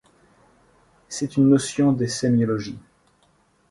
C'est une notion de sémiologie.